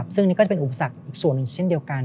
ซึ่งนี่ก็จะเป็นอุปสรรคอีกส่วนหนึ่งเช่นเดียวกัน